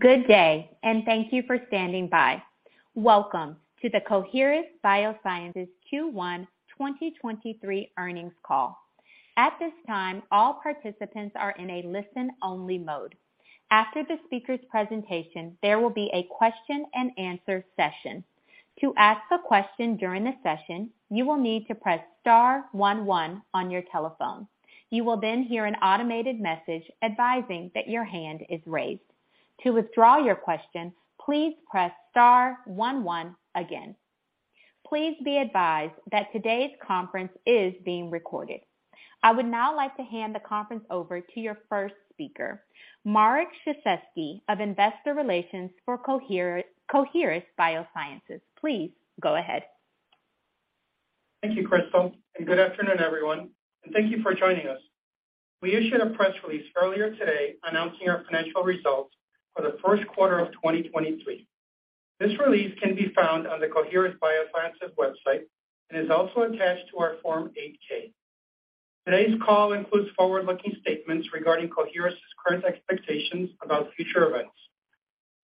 Good day. Thank you for standing by. Welcome to the Coherus BioSciences Q1 2023 Earnings Call. At this time, all participants are in a listen-only mode. After the speaker's presentation, there will be a question-and-answer session. To ask a question during the session, you will need to press star one one on your telephone. You will hear an automated message advising that your hand is raised. To withdraw your question, please press star one one again. Please be advised that today's conference is being recorded. I would now like to hand the conference over to your 1st speaker, Marek Ciszewski of Investor Relations for Coherus BioSciences. Please go ahead. Thank you, Crystal, and good afternoon, everyone, and thank you for joining us. We issued a press release earlier today announcing our financial results for the 1st quarter of 2023. This release can be found on the Coherus BioSciences website and is also attached to our Form 8-K. Today's call includes forward-looking statements regarding Coherus' current expectations about future events.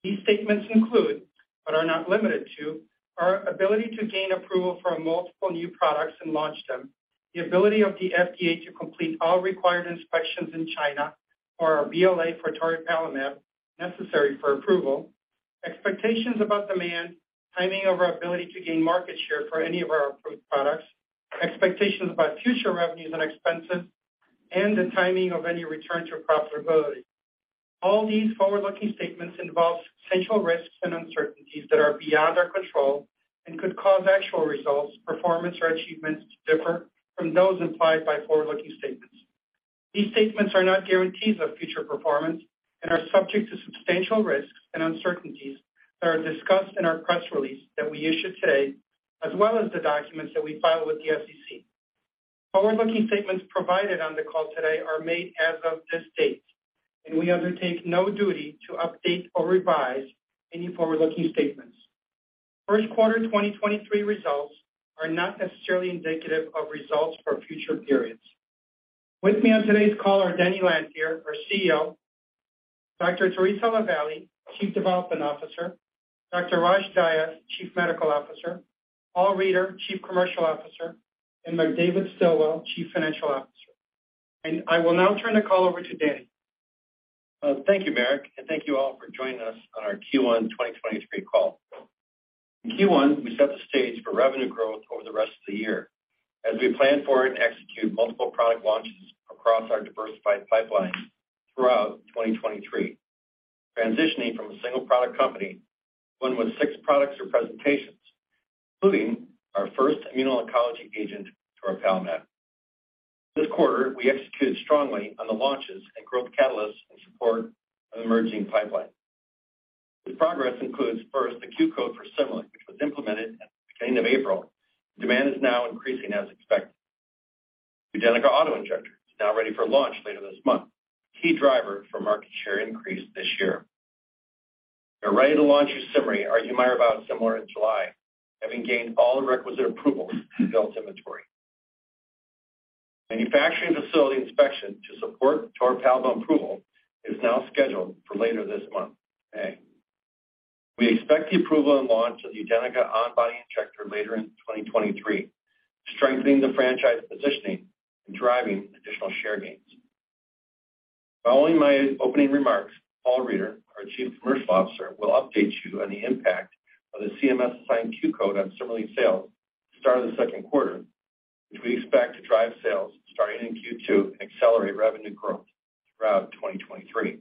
These statements include, but are not limited to, our ability to gain approval for multiple new products and launch them, the ability of the FDA to complete all required inspections in China for our BLA for toripalimab necessary for approval, expectations about demand, timing of our ability to gain market share for any of our approved products, expectations about future revenues and expenses, and the timing of any return to profitability. All these forward-looking statements involve substantial risks and uncertainties that are beyond our control and could cause actual results, performance or achievements to differ from those implied by forward-looking statements. These statements are not guarantees of future performance and are subject to substantial risks and uncertainties that are discussed in our press release that we issued today, as well as the documents that we file with the SEC. Forward-looking statements provided on the call today are made as of this date, and we undertake no duty to update or revise any forward-looking statements. First quarter 2023 results are not necessarily indicative of results for future periods. With me on today's call are Denny Lanfear, our CEO; Dr. Theresa LaVallee, Chief Development Officer; Dr. Rosh Dias, Chief Medical Officer; Paul Reider, Chief Commercial Officer; and McDavid Stilwell, Chief Financial Officer. I will now turn the call over to Denny. Well, thank you, Marek, thank you all for joining us on our Q1 2023 call. In Q1, we set the stage for revenue growth over the rest of the year as we plan for and execute multiple product launches across our diversified pipelines throughout 2023, transitioning from a single product company, one with six products or presentations, including our 1st immuno-oncology agent, toripalimab. This quarter, we executed strongly on the launches and growth catalysts in support of emerging pipeline. The progress includes, 1st, the Q code for CIMERLI, which was implemented at the beginning of April. Demand is now increasing as expected. UDENYCA auto-injector is now ready for launch later this month, key driver for market share increase this year. We're ready to launch YUSIMRY, our Humira biosimilar, in July, having gained all the requisite approvals to build inventory. Manufacturing facility inspection to support toripalimab approval is now scheduled for later this month, May. We expect the approval and launch of the UDENYCA on-body injector later in 2023, strengthening the franchise positioning and driving additional share gains. Following my opening remarks, Paul Reider, our Chief Commercial Officer, will update you on the impact of the CMS assigned Q code on CIMERLI sales at the start of the 2nd quarter, which we expect to drive sales starting in Q2 and accelerate revenue growth throughout 2023.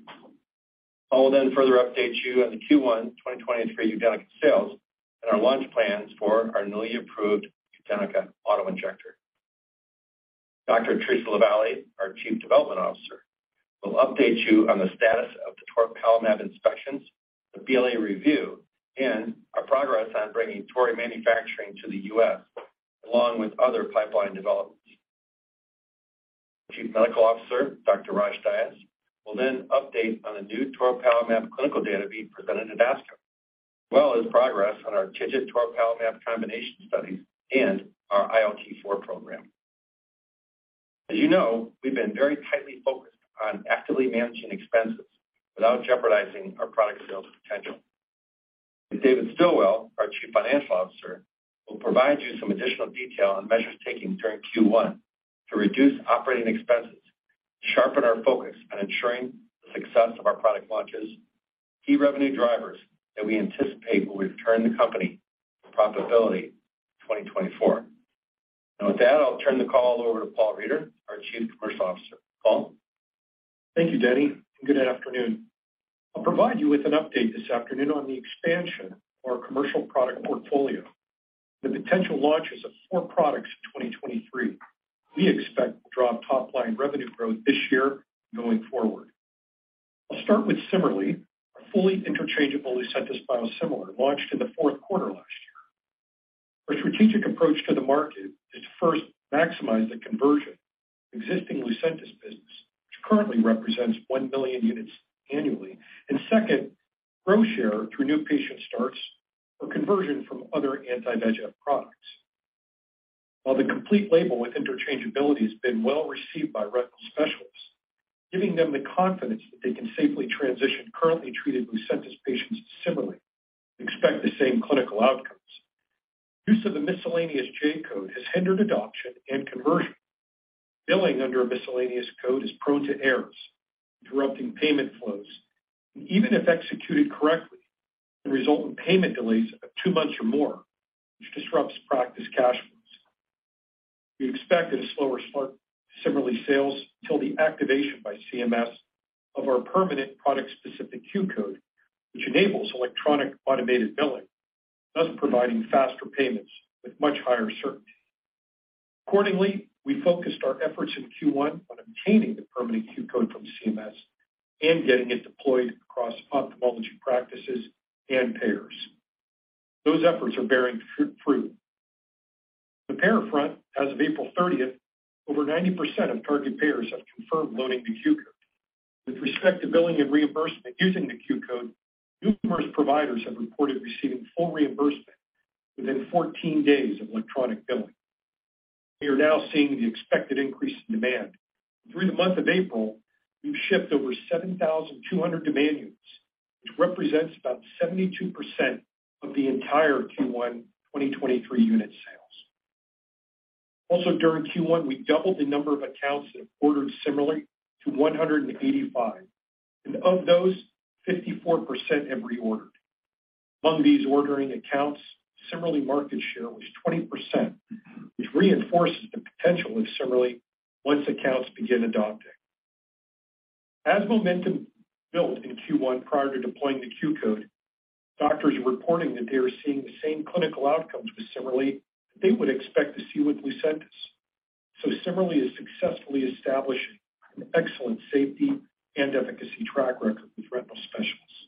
I will then further update you on the Q1 2023 UDENYCA sales and our launch plans for our newly approved UDENYCA auto-injector. Dr. Theresa LaVallee, our Chief Development Officer, will update you on the status of the toripalimab inspections, the BLA review, and our progress on bringing Tori manufacturing to the U.S., along with other pipeline developments. Chief Medical Officer, Dr. Rosh Dias will then update on the new toripalimab clinical data being presented at ASCO, as well as progress on our TIGIT toripalimab combination studies and our ILT4 program. As you know, we've been very tightly focused on actively managing expenses without jeopardizing our product sales potential. McDavid Stilwell, our Chief Financial Officer, will provide you some additional detail on measures taken during Q1 to reduce operating expenses, sharpen our focus on ensuring the success of our product launches, key revenue drivers that we anticipate will return the company to profitability in 2024. With that, I'll turn the call over to Paul Reider, our Chief Commercial Officer. Paul. Thank you, Denny. Good afternoon. I'll provide you with an update this afternoon on the expansion of our commercial product portfolio. The potential launches of 4 products in 2023 we expect will drive top-line revenue growth this year and going forward. I'll start with CIMERLI, a fully interchangeable Lucentis biosimilar launched in the 4th quarter last year. Our strategic approach to the market is to 1st maximize the conversion of existing Lucentis business, which currently represents 1 billion units annually, and 2nd, grow share through new patient starts or conversion from other anti-VEGF products. While the complete label with interchangeability has been well received by retinal specialists, giving them the confidence that they can safely transition currently treated Lucentis patients to CIMERLI, expect the same clinical outcomes. Use of the miscellaneous J code has hindered adoption and conversion. Billing under a miscellaneous code is prone to errors, interrupting payment flows. Even if executed correctly, can result in payment delays of two months or more, which disrupts practice cash flows. We expect a slower start to CIMERLI sales until the activation by CMS of our permanent product-specific Q code, which enables electronic automated billing, thus providing faster payments with much higher certainty. Accordingly, we focused our efforts in Q1 on obtaining the permanent Q code from CMS and getting it deployed across ophthalmology practices and payers. Those efforts are bearing fruit. The payer front, as of April 30th, over 90% of target payers have confirmed loading the Q code. With respect to billing and reimbursement using the Q code, numerous providers have reported receiving full reimbursement within 14 days of electronic billing. We are now seeing the expected increase in demand. Through the month of April, we've shipped over 7,200 demand units, which represents about 72% of the entire Q1 2023 unit sales. During Q1, we doubled the number of accounts that have ordered CIMERLI to 185, and of those 54% have reordered. Among these ordering accounts, CIMERLI market share was 20%, which reinforces the potential of CIMERLI once accounts begin adopting. Momentum built in Q1 prior to deploying the Q code, doctors are reporting that they are seeing the same clinical outcomes with CIMERLI they would expect to see with Lucentis. CIMERLI is successfully establishing an excellent safety and efficacy track record with retinal specialists.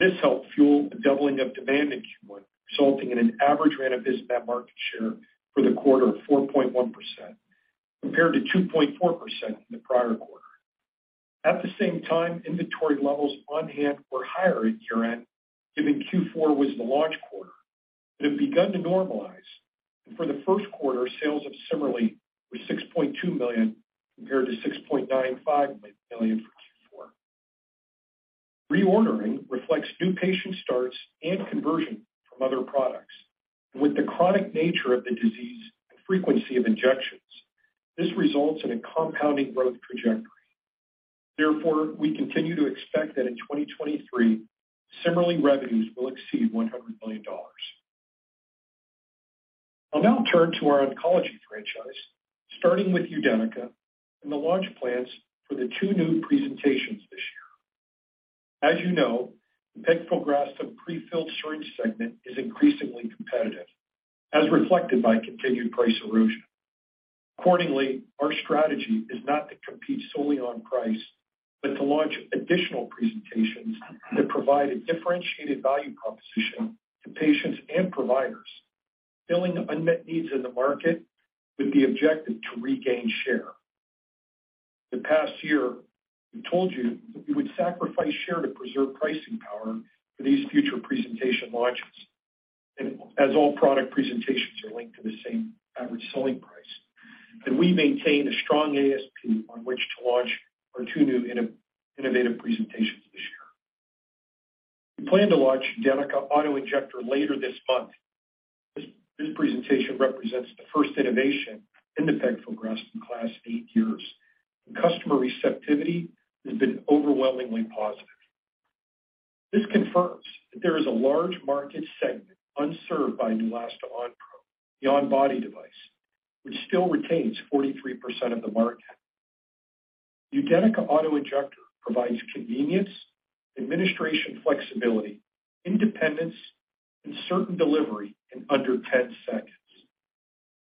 This helped fuel the doubling of demand in Q1, resulting in an average ranibizumab market share for the quarter of 4.1%, compared to 2.4% in the prior quarter. At the same time, inventory levels on hand were higher at year-end, given Q4 was the launch quarter, but have begun to normalize. For the 1st quarter, sales of CIMERLI were $6.2 million, compared to $6.95 million for Q4. Reordering reflects new patient starts and conversion from other products. With the chronic nature of the disease and frequency of injections, this results in a compounding growth trajectory. We continue to expect that in 2023, CIMERLI revenues will exceed $100 million. I'll now turn to our oncology franchise, starting with UDENYCA and the launch plans for the two new presentations this year. As you know, the pegfilgrastim prefilled syringe segment is increasingly competitive, as reflected by continued price erosion. Our strategy is not to compete solely on price, but to launch additional presentations that provide a differentiated value proposition to patients and providers, filling unmet needs in the market with the objective to regain share. The past year, we told you that we would sacrifice share to preserve pricing power for these future presentation launches. As all product presentations are linked to the same average selling price, can we maintain a strong ASP on which to launch our two new innovative presentations this year? We plan to launch UDENYCA auto-injector later this month. This presentation represents the 1st innovation in the pegfilgrastim class in 8 years. The customer receptivity has been overwhelmingly positive. This confirms that there is a large market segment unserved by Neulasta Onpro, the on-body device, which still retains 43% of the market. UDENYCA auto-injector provides convenience, administration flexibility, independence, and certain delivery in under 10 sec.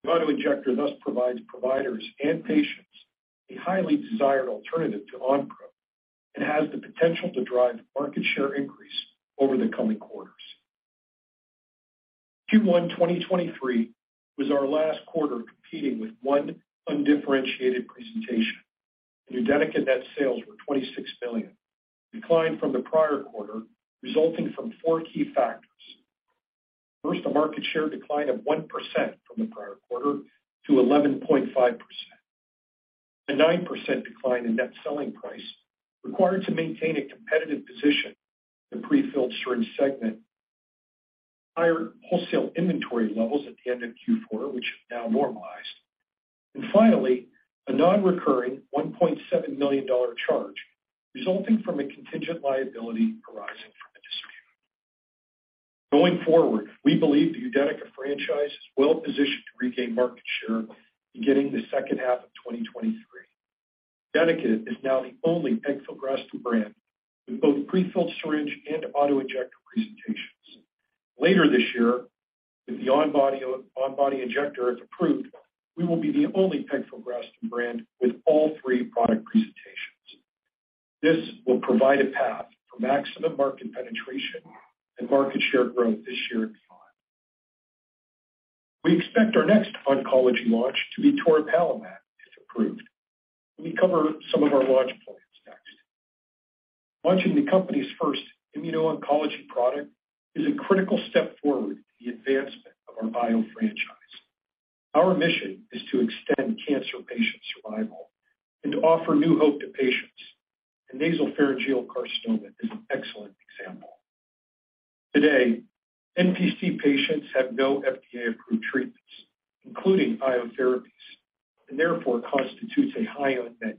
The auto-injector thus provides providers and patients a highly desired alternative to Onpro and has the potential to drive market share increase over the coming quarters. Q1 2023 was our last quarter competing with one undifferentiated presentation. UDENYCA net sales were $26 billion, declined from the prior quarter, resulting from four key factors. First, a market share decline of 1% from the prior quarter to 11.5%. A 9% decline in net selling price required to maintain a competitive position in prefilled syringe segment. Higher wholesale inventory levels at the end of Q4, which have now normalized. Finally, a non-recurring $1.7 million charge resulting from a contingent liability arising from a dispute. Going forward, we believe the UDENYCA franchise is well-positioned to regain market share beginning the 2nd half of 2023. UDENYCA is now the only pegfilgrastim brand with both prefilled syringe and autoinjector presentations. Later this year, with the on-body injector, if approved, we will be the only pegfilgrastim brand with all three product presentations. This will provide a path for maximum market penetration and market share growth this year and beyond. We expect our next oncology launch to be toripalimab, if approved. Let me cover some of our launch plans. Launching the company's 1st immuno-oncology product is a critical step forward in the advancement of our bio franchise. Our mission is to extend cancer patient survival and to offer new hope to patients. Nasopharyngeal carcinoma is an excellent example. Today, NPC patients have no FDA-approved treatments, including biotherapies, and therefore constitutes a high unmet need.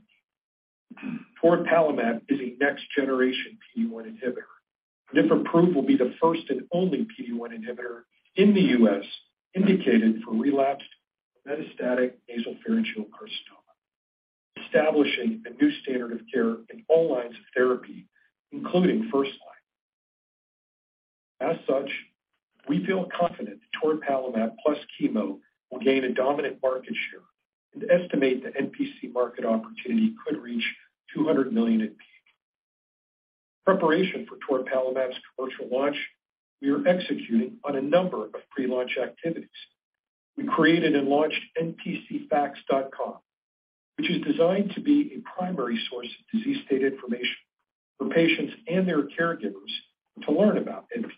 Toripalimab is a next-generation PD-1 inhibitor, and if approved, will be the 1st and only PD-1 inhibitor in the U.S. indicated for relapsed metastatic nasopharyngeal carcinoma, establishing a new standard of care in all lines of therapy, including 1st line. We feel confident that toripalimab plus chemo will gain a dominant market share and estimate the NPC market opportunity could reach $200 million at peak. Preparation for toripalimab's commercial launch, we are executing on a number of pre-launch activities. We created and launched NPCfacts.com, which is designed to be a primary source of disease state information for patients and their caregivers to learn about NPC.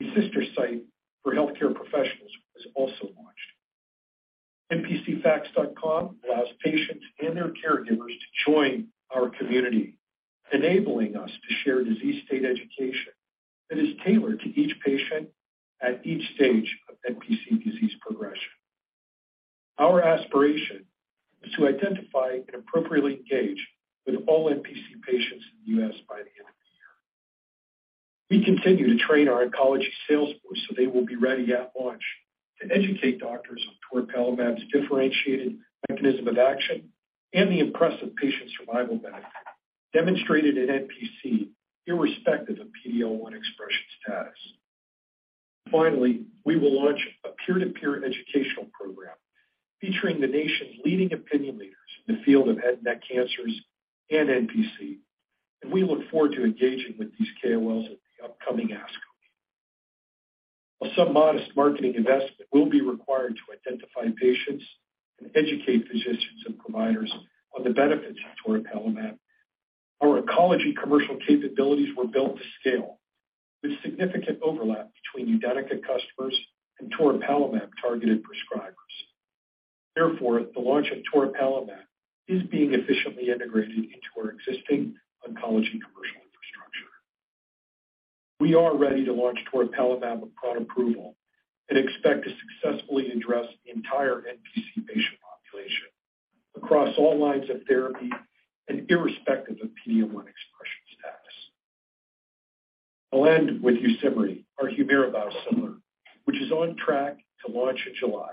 A sister site for healthcare professionals was also launched. NPCfacts.com allows patients and their caregivers to join our community, enabling us to share disease state education that is tailored to each patient at each stage of NPC disease progression. Our aspiration is to identify and appropriately engage with all NPC patients in the U.S. by the end of the year. We continue to train our oncology sales force so they will be ready at launch to educate doctors on toripalimab's differentiated mechanism of action and the impressive patient survival benefit demonstrated at NPC, irrespective of PD-L1 expression status. We will launch a peer-to-peer educational program featuring the nation's leading opinion leaders in the field of head and neck cancers and NPC, and we look forward to engaging with these KOLs at the upcoming ASCO. While some modest marketing investment will be required to identify patients and educate physicians and providers on the benefits of toripalimab, our oncology commercial capabilities were built to scale with significant overlap between UDENYCA customers and toripalimab targeted prescribers. The launch of toripalimab is being efficiently integrated into our existing oncology commercial infrastructure. We are ready to launch toripalimab upon approval and expect to successfully address the entire NPC patient population across all lines of therapy and irrespective of PD-L1 expression status. I'll end with Yusimry, our Humira biosimilar, which is on track to launch in July.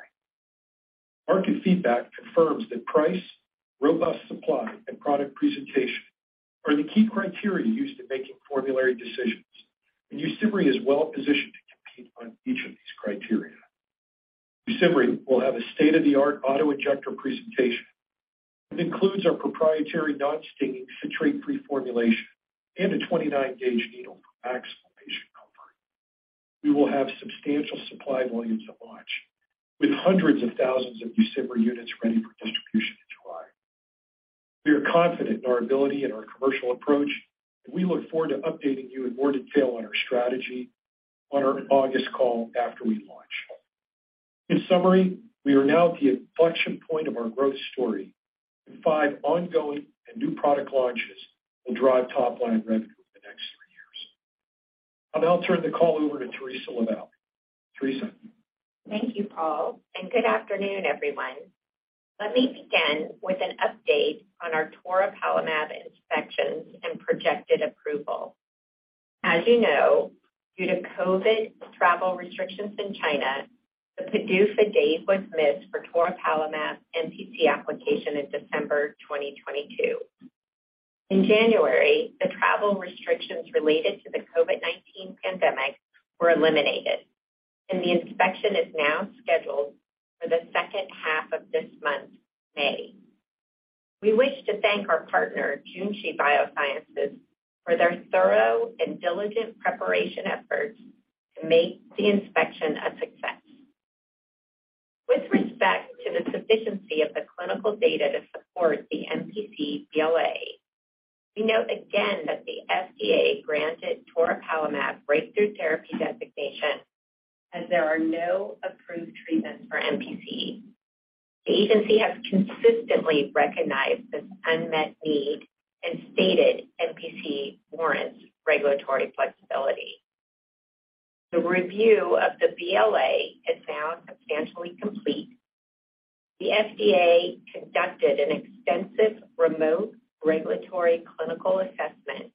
Market feedback confirms that price, robust supply, and product presentation are the key criteria used in making formulary decisions, and Yusimry is well positioned to compete on each of these criteria. Yusimry will have a state-of-the-art auto-injector presentation. It includes our proprietary non-stinging citrate-free formulation and a 29 gauge needle for maximal patient comfort. We will have substantial supply volumes at launch, with hundreds of thousands of Yusimry units ready for distribution in July. We are confident in our ability and our commercial approach, and we look forward to updating you in more detail on our strategy on our August call after we launch. In summary, we are now at the inflection point of our growth story. 5 ongoing and new product launches will drive top-line revenue over the next 3 years. I'll now turn the call over to Theresa LaVallee. Theresa? Thank you, Paul, and good afternoon, everyone. Let me begin with an update on our toripalimab inspections and projected approval. As you know, due to COVID travel restrictions in China, the PDUFA date was missed for toripalimab NPC application in December 2022. In January, the travel restrictions related to the COVID-19 pandemic were eliminated, and the inspection is now scheduled for the 2nd half of this month, May. We wish to thank our partner, Junshi Biosciences, for their thorough and diligent preparation efforts to make the inspection a success. With respect to the sufficiency of the clinical data to support the NPC BLA, we note again that the FDA granted toripalimab Breakthrough Therapy designation as there are no approved treatments for NPC. The agency has consistently recognized this unmet need and stated NPC warrants regulatory flexibility. The review of the BLA is now substantially complete. The FDA conducted an extensive remote regulatory clinical assessment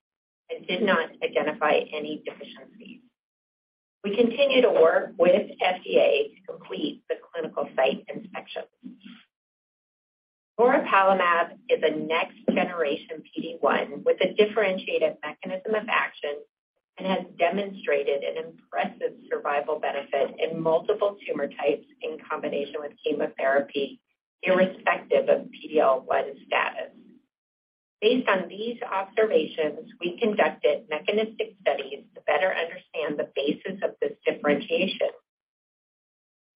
and did not identify any deficiencies. We continue to work with FDA to complete the clinical site inspection. Toripalimab is a next-generation PD-1 with a differentiated mechanism of action and has demonstrated an impressive survival benefit in multiple tumor types in combination with chemotherapy, irrespective of PD-L1 status. Based on these observations, we conducted mechanistic studies to better understand the basis of this differentiation.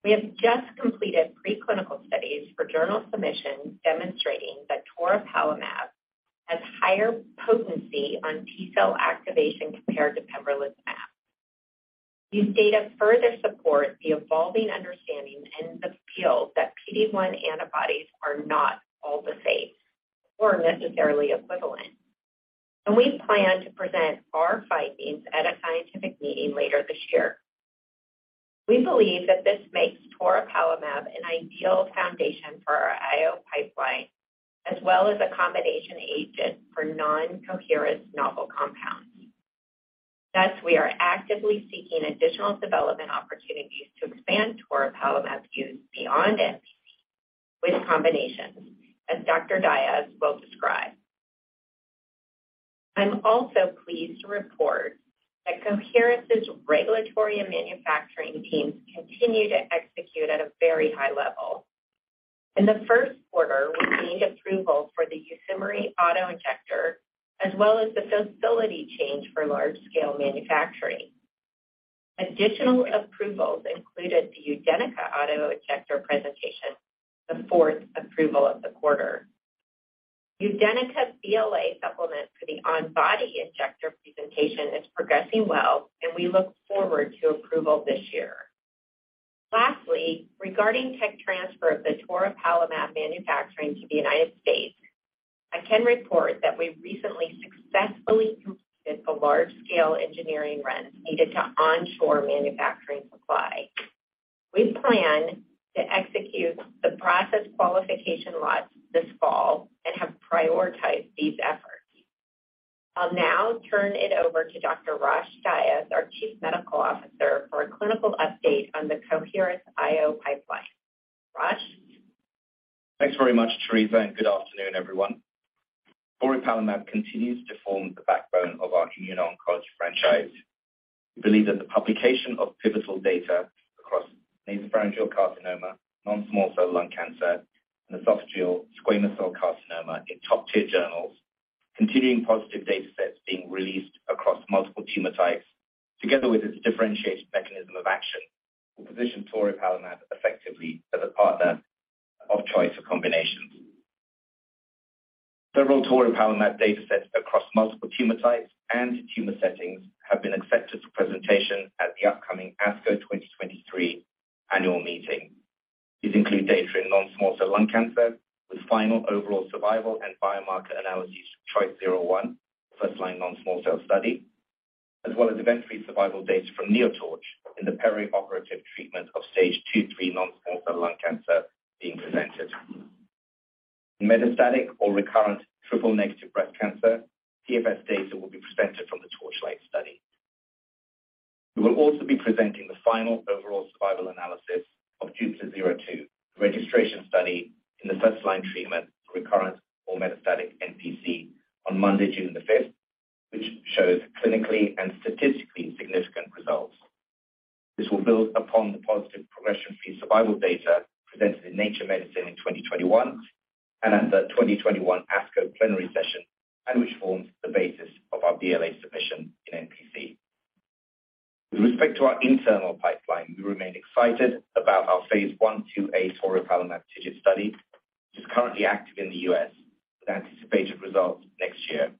We have just completed preclinical studies for journal submissions demonstrating that toripalimab has higher potency on T-cell activation compared to pembrolizumab. These data further support the evolving understanding in the field that PD-1 antibodies are not all the same or necessarily equivalent. We plan to present our findings at a scientific meeting later this year. We believe that this makes toripalimab an ideal foundation for our IO pipeline, as well as a combination agent for non-Coherus novel compounds. We are actively seeking additional development opportunities to expand toripalimab's use beyond NPC with combinations, as Dr. Dias will describe. I'm also pleased to report that Coherus' regulatory and manufacturing teams continue to execute at a very high level. In the 1st quarter, we gained approval for the YUSIMRY auto-injector, as well as the facility change for large-scale manufacturing. Additional approvals included the UDENYCA auto-injector presentation, the fourth approval of the quarter. UDENYCA's BLA supplement for the on-body injector presentation is progressing well, and we look forward to approval this year. Lastly, regarding tech transfer of the toripalimab manufacturing to the United States, I can report that we recently successfully completed the large-scale engineering runs needed to onshore manufacturing supply. We plan to execute the process qualification lots this fall and have prioritized these efforts. I'll now turn it over to Dr. Rosh Dias, our Chief Medical Officer, for a clinical update on the Coherus IO pipeline. Rosh? Thanks very much, Theresa, and good afternoon, everyone. Toripalimab continues to form the backbone of our immuno-oncology franchise. We believe that the publication of pivotal data across nasopharyngeal carcinoma, non-small cell lung cancer, and esophageal squamous cell carcinoma in top-tier journals, continuing positive data sets being released across multiple tumor types, together with its differentiated mechanism of action, will position toripalimab effectively as a partner of choice for combinations. Several toripalimab data sets across multiple tumor types and tumor settings have been accepted for presentation at the upcoming ASCO 2023 annual meeting. These include data in non-small cell lung cancer with final overall survival and biomarker analyses from CHOICE-01, 1st-line non-small cell study, as well as event-free survival data from NEOTORCH in the perioperative treatment of stage 2-3 non-small cell lung cancer being presented. In metastatic or recurrent triple-negative breast cancer, PFS data will be presented from the TORCHLIGHT study. We will also be presenting the final overall survival analysis of JUPITER-02, the registration study in the 1st-line treatment for recurrent or metastatic NPC on Monday, June 5th, which shows clinically and statistically significant results. This will build upon the positive progression-free survival data presented in Nature Medicine in 2021 and at the 2021 ASCO plenary session, and which forms the basis of our BLA submission in NPC. With respect to our internal pipeline, we remain excited about our phase II/II-A toripalimab TIGIT study, which is currently active in the U.S., with anticipated results next year.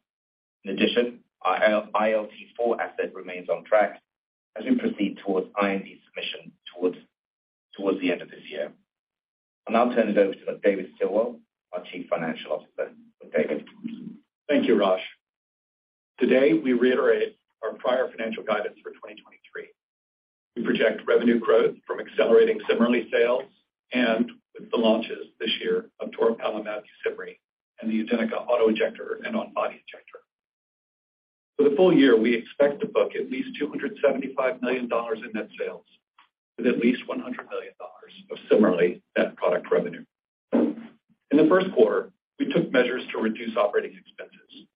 In addition, our ILT4 asset remains on track as we proceed towards IND submission towards the end of this year. I'll now turn it over to McDavid Stilwell, our Chief Financial Officer. McDavid. Thank you, Rosh. Today, we reiterate our prior financial guidance for 2023. We project revenue growth from accelerating CIMERLI sales and with the launches this year of toripalimab, YUSIMRY, and the UDENYCA auto-injector and on-body injector. For the full year, we expect to book at least $275 million in net sales, with at least $100 million of CIMERLI net product revenue. In the 1st quarter, we took measures to reduce operating expenses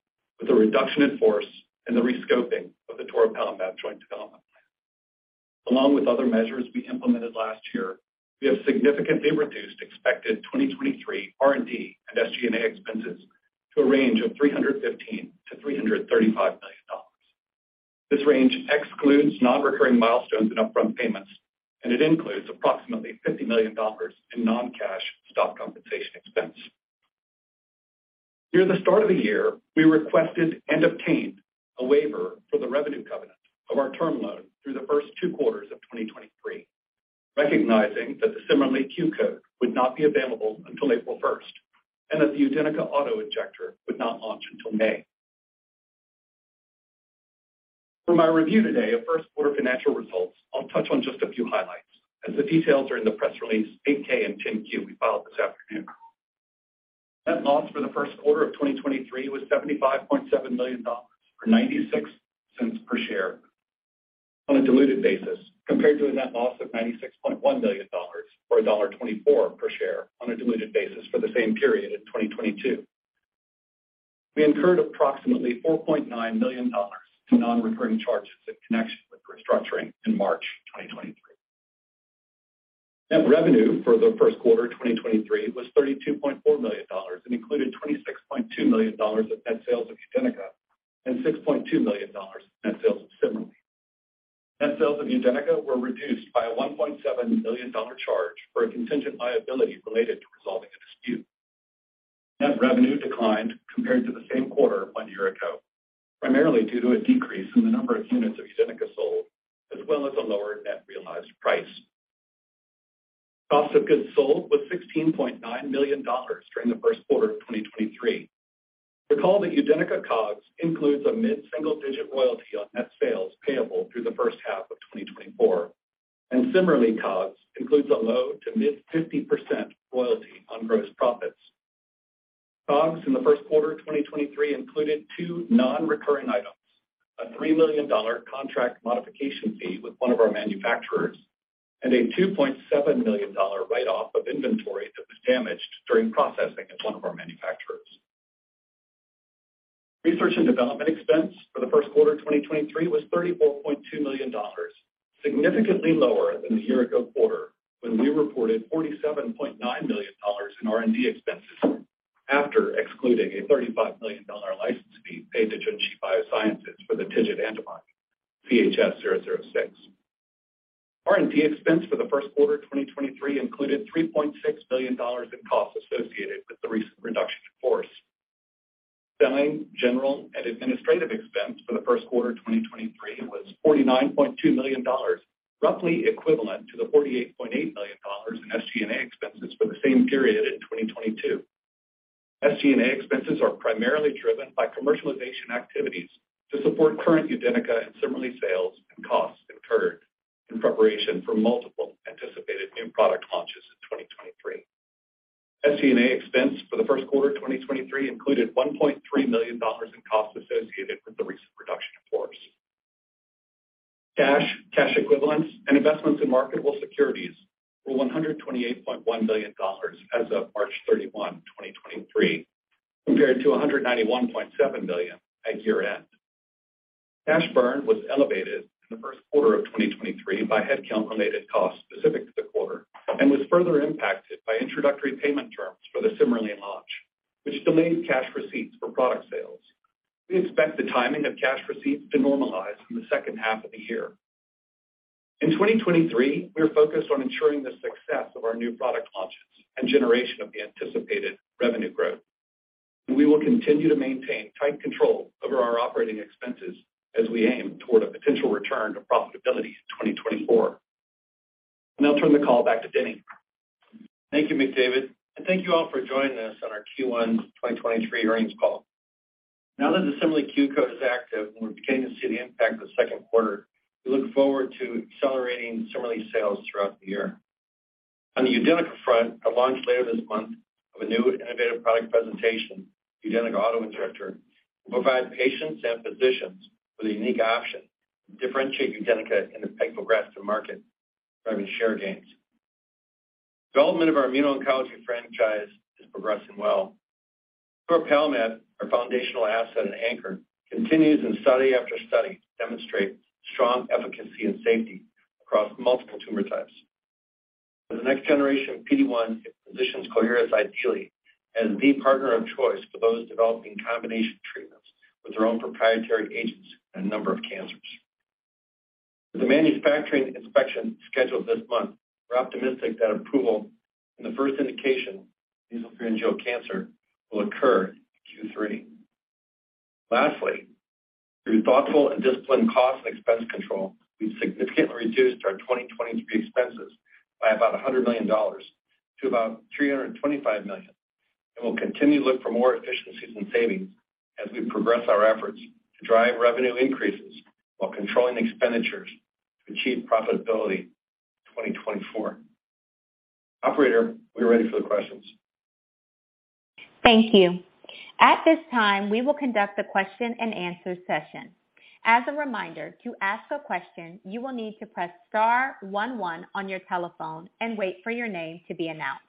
with a reduction in force and the rescoping of the toripalimab joint development plan. Along with other measures we implemented last year, we have significantly reduced expected 2023 R&D and SG&A expenses to a range of $315 million-$335 million. This range excludes non-recurring milestones and upfront payments, and it includes approximately $50 million in non-cash stock compensation expense. Near the start of the year, we requested and obtained a waiver for the revenue covenant of our term loan through the 1st two quarters of 2023, recognizing that the CIMERLI Q-code would not be available until April 1st and that the UDENYCA auto-injector would not launch until May. For my review today of 1st quarter financial results, I'll touch on just a few highlights, as the details are in the press release 8-K and 10-Q we filed this afternoon. Net loss for the 1st quarter of 2023 was $75.7 million, or $0.96 per share on a diluted basis, compared to a net loss of $96.1 million, or $1.24 per share on a diluted basis for the same period in 2022. We incurred approximately $4.9 million to non-recurring charges in connection with restructuring in March 2023. Net revenue for the 1st quarter 2023 was $32.4 million and included $26.2 million of net sales of UDENYCA. $6.2 million net sales of CIMERLI. Net sales of UDENYCA were reduced by a $1.7 million charge for a contingent liability related to resolving a dispute. Net revenue declined compared to the same quarter 1 year ago, primarily due to a decrease in the number of units of UDENYCA sold, as well as a lower net realized price. Cost of goods sold was $16.9 million during the 1st quarter of 2023. Recall that UDENYCA COGS includes a mid-single-digit royalty on net sales payable through the 1st half of 2024, and CIMERLI COGS includes a low to mid 50% royalty on gross profits. COGS in the 1st quarter of 2023 included two non-recurring items: a $3 million contract modification fee with one of our manufacturers and a $2.7 million write-off of inventory that was damaged during processing at one of our manufacturers. Research and development expense for the 1st quarter of 2023 was $34.2 million, significantly lower than the year ago quarter when we reported $47.9 million in R&D expenses after excluding a $35 million license fee paid to Junshi Biosciences for the TIGIT antibody, JS006. R&D expense for the 1st quarter of 2023 included $3.6 million in costs associated with the recent reduction in force. Selling, general, and administrative expense for the 1st quarter of 2023 was $49.2 million, roughly equivalent to the $48.8 million in SG&A expenses for the same period in 2022. SG&A expenses are primarily driven by commercialization activities to support current UDENYCA and CIMERLI sales and costs incurred in preparation for multiple anticipated new product launches in 2023. SG&A expense for the 1st quarter of 2023 included $1.3 million in costs associated with the recent reduction in force. Cash, cash equivalents, and investments in marketable securities were $128.1 billion as of March 31, 2023, compared to $191.7 billion at year-end. Cash burn was elevated in the 1st quarter of 2023 by headcount-related costs specific to the quarter and was further impacted by introductory payment terms for the CIMERLI launch, which delayed cash receipts for product sales. We expect the timing of cash receipts to normalize in the 2nd half of the year. In 2023, we are focused on ensuring the success of our new product launches and generation of the anticipated revenue growth. We will continue to maintain tight control over our operating expenses as we aim toward a potential return to profitability in 2024. I'll turn the call back to Denny. Thank you, McDavid, and thank you all for joining us on our Q1 2023 earnings call. Now that the CIMERLI Q code is active and we're beginning to see the impact of the 2nd quarter, we look forward to accelerating CIMERLI sales throughout the year. On the UDENYCA front, a launch later this month of a new innovative product presentation, UDENYCA autoinjector, will provide patients and physicians with a unique option to differentiate UDENYCA in the pegfilgrastim market, driving share gains. Development of our immuno-oncology franchise is progressing well. toripalimab, our foundational asset and anchor, continues in study after study to demonstrate strong efficacy and safety across multiple tumor types. For the next generation of PD-1, it positions Coherus ideally as the partner of choice for those developing combination treatments with their own proprietary agents in a number of cancers. With the manufacturing inspection scheduled this month, we're optimistic that approval in the 1st indication, nasopharyngeal cancer, will occur in Q3. Lastly, through thoughtful and disciplined cost and expense control, we've significantly reduced our 2023 expenses by about $100 million to about $325 million. We'll continue to look for more efficiencies and savings as we progress our efforts to drive revenue increases while controlling expenditures to achieve profitability in 2024. Operator, we are ready for the questions. Thank you. At this time, we will conduct a question-and-answer session. As a reminder, to ask a question, you will need to press star one one on your telephone and wait for your name to be announced.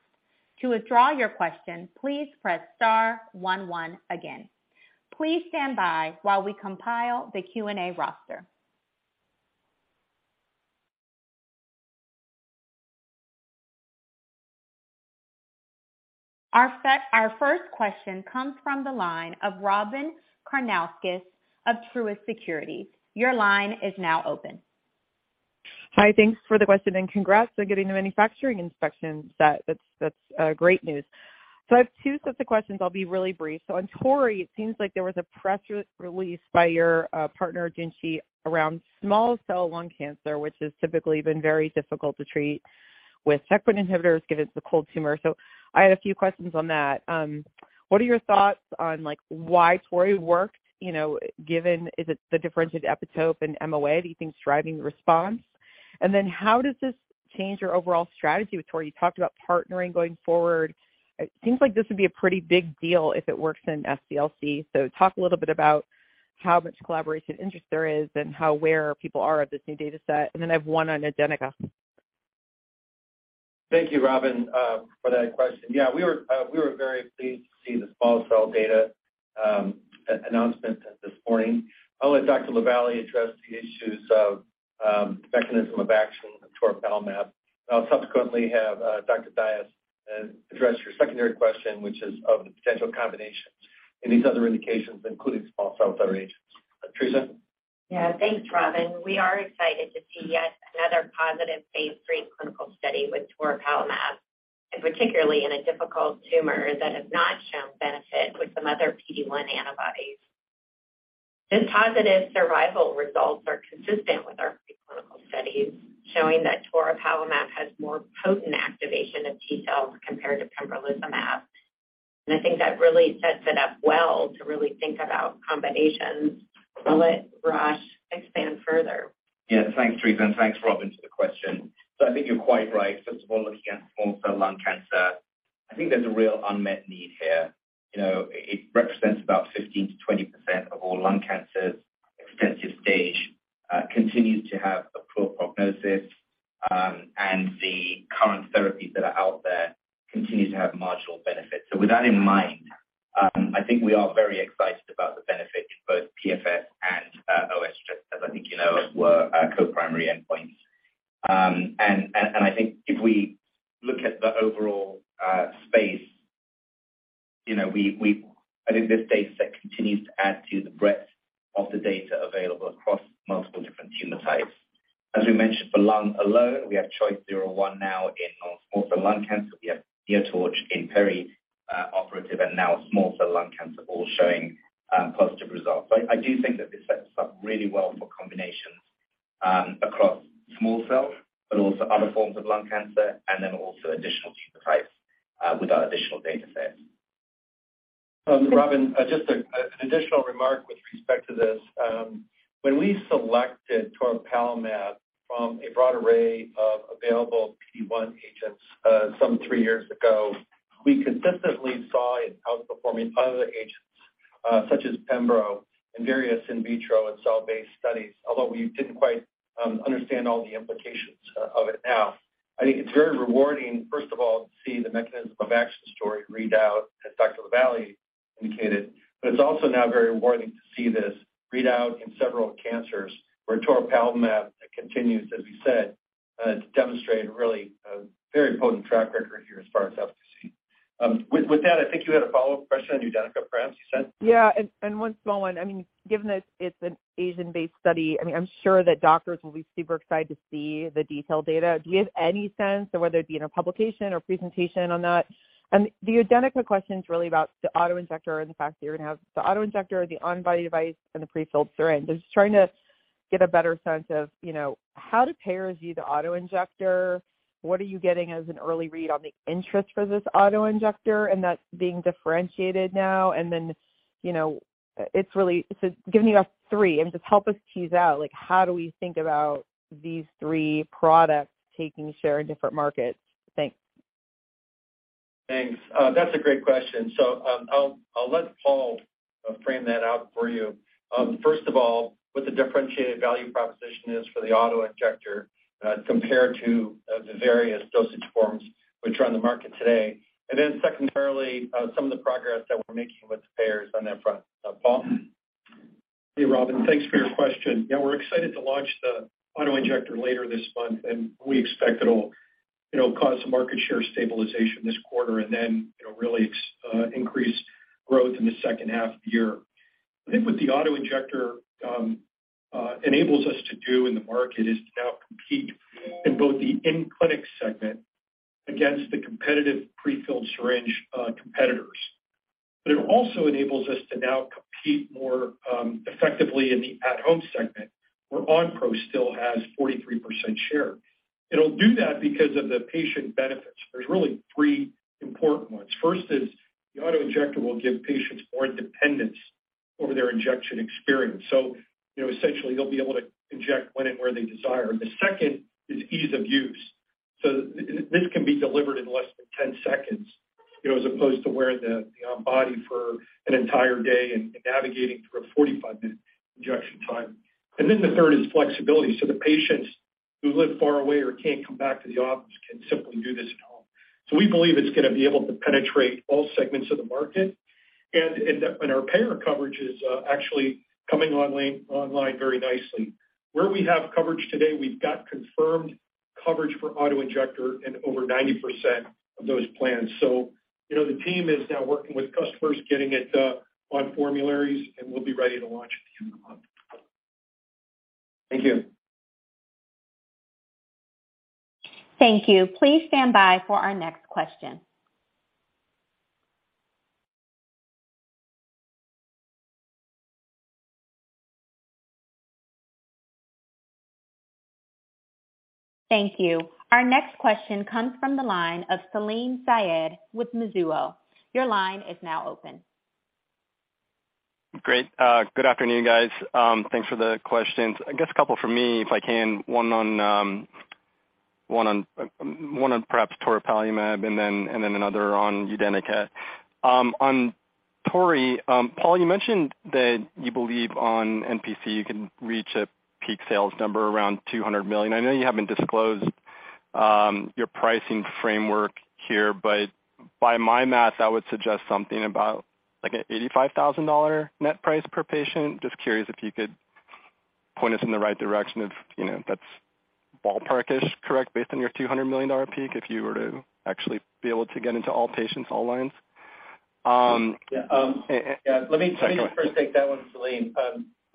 To withdraw your question, please press star one one again. Please stand by while we compile the Q&A roster. Our 1st question comes from the line of Robyn Karnauskas of Truist Securities. Your line is now open. Hi, thanks for the question, and congrats on getting the manufacturing inspection set. That's great news. I have two sets of questions. I'll be really brief. On TORI, it seems like there was a press release by your partner, Junshi, around small cell lung cancer, which has typically been very difficult to treat with checkpoint inhibitors given it's a cold tumor. I had a few questions on that. What are your thoughts on, like, why TORI worked, you know, given is it the differentiated epitope and MOA that you think is driving the response? How does this change your overall strategy with TORI? You talked about partnering going forward. It seems like this would be a pretty big deal if it works in SCLC. Talk a little bit about how much collaboration interest there is and how, where people are at this new data set. I have one on UDENYCA. Thank you, Robyn, for that question. Yeah, we were very pleased to see the small cell data announcement this morning. I'll let Dr. LaVallee address the issues of Mechanism of action of toripalimab. I'll subsequently have Dr. Dias address your secondary question, which is of the potential combinations in these other indications, including small cell therapy agents. Theresa? Yeah. Thanks, Robyn. We are excited to see yet another positive phase III clinical study with toripalimab, and particularly in a difficult tumor that has not shown benefit with some other PD-1 antibodies. These positive survival results are consistent with our preclinical studies, showing that toripalimab has more potent activation of T-cells compared to pembrolizumab. I think that really sets it up well to really think about combinations. I'll let Rosh expand further. Thanks, Theresa, and thanks, Robyn, for the question. I think you're quite right. First of all, looking at small cell lung cancer, I think there's a real unmet need here. You know, it represents about 15%-20% of all lung cancers. Extensive stage continues to have a poor prognosis, and the current therapies that are out there continue to have marginal benefits. With that in mind, it's also now very rewarding to see this read out in several cancers where toripalimab continues, as we said, to demonstrate a really very potent track record here as far as efficacy. With that, I think you had a follow-up question on UDENYCA, perhaps you said? Yeah. And one small one. I mean, given that it's an Asian-based study, I mean, I'm sure that doctors will be super excited to see the detailed data. Do you have any sense of whether it be in a publication or presentation on that? The UDENYCA question is really about the auto-injector and the fact that you're gonna have the auto-injector, the on-body device, and the prefilled syringe. I'm just trying to get a better sense of, you know, how do payers view the auto-injector? What are you getting as an early read on the interest for this auto-injector and that being differentiated now? You know, so giving you about three, and just help us tease out, like, how do we think about these three products taking share in different markets? Thanks. Thanks. That's a great question. I'll let Paul frame that out for you. First of all, what the differentiated value proposition is for the auto-injector compared to the various dosage forms which are on the market today. Secondarily, some of the progress that we're making with payers on that front. Paul? Hey, Robyn. Thanks for your question. Yeah, we're excited to launch the auto-injector later this month, and we expect it'll, you know, cause some market share stabilization this quarter and then, you know, really increase growth in the 2nd half of the year. I think what the auto-injector enables us to do in the market is to now compete in both the in-clinic segment against the competitive prefilled syringe competitors. It also enables us to now compete more effectively in the at-home segment, where Onpro still has 43% share. It'll do that because of the patient benefits. There's really three important ones. First is the auto-injector will give patients more independence over their injection experience. You know, essentially, they'll be able to inject when and where they desire. The 2nd is ease of use. This can be delivered in less than 10 sec, you know, as opposed to wearing the on-body for an entire day and navigating through a 45 min injection time. Then the third is flexibility, so the patients who live far away or can't come back to the office can simply do this at home. We believe it's gonna be able to penetrate all segments of the market. Our payer coverage is actually coming online very nicely. Where we have coverage today, we've got confirmed coverage for auto-injector in over 90% of those plans. You know, the team is now working with customers, getting it on formularies, and we'll be ready to launch at the end of the month. Thank you. Thank you. Please stand by for our next question. Thank you. Our next question comes from the line of Salim Syed with Mizuho. Your line is now open. Great. Good afternoon, guys. Thanks for the questions. I guess a couple from me, if I can. One on perhaps toripalimab and then another on UDENYCA. On TORI, Paul, you mentioned that you believe on NPC, you can reach a peak sales number around $200 million. I know you haven't disclosed your pricing framework here, but by my math, I would suggest something about like an $85,000 net price per patient. Just curious if you could point us in the right direction if, you know, that's ballpark-ish correct based on your $200 million peak, if you were to actually be able to get into all patients, all lines. Yeah. Yeah. Let me 1st take that one, Salim.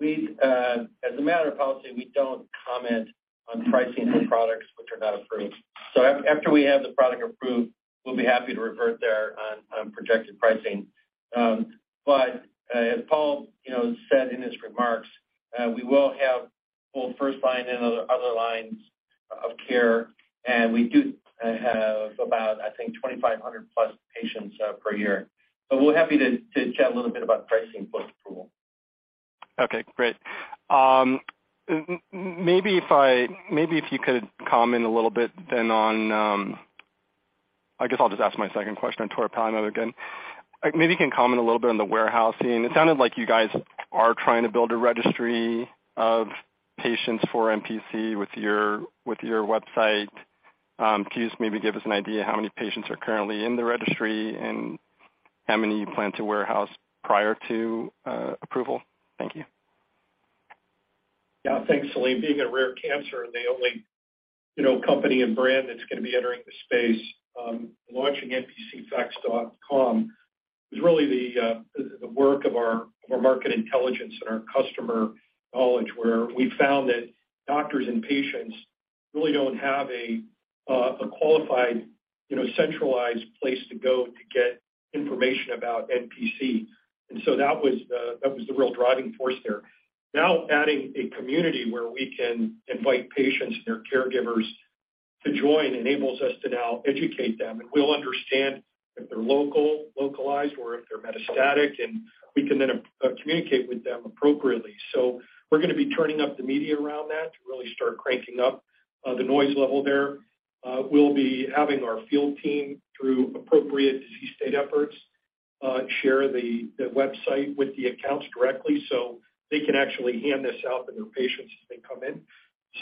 We, as a matter of policy, we don't comment on pricing for products which are not approved. After we have the product approved, we'll be happy to revert there on projected pricing. As Paul, you know, said in his remarks, we will have full 1st line and other lines of care, and we do have about, I think, 2,500+ patients per year. We're happy to chat a little bit about pricing post-approval. Okay, great. Maybe if you could comment a little bit then on. I guess I'll just ask my 2nd question on toripalimab again. Maybe you can comment a little bit on the warehousing. It sounded like you guys are trying to build a registry of patients for NPC with your website. Can you just maybe give us an idea how many patients are currently in the registry and how many you plan to warehouse prior to approval? Thank you. Yeah. Thanks, Salim. Being a rare cancer, the only, you know, company and brand that's gonna be entering the space, launching NPCFacts.com is really the work of our market intelligence and our customer knowledge, where we found that doctors and patients really don't have a qualified, you know, centralized place to go to get information about NPC. That was the real driving force there. Now adding a community where we can invite patients and their caregivers to join enables us to now educate them, we'll understand if they're localized or if they're metastatic, we can then communicate with them appropriately. We're gonna be turning up the media around that to really start cranking up the noise level there. We'll be having our field team through appropriate disease state efforts, share the website with the accounts directly, so they can actually hand this out to their patients as they come in.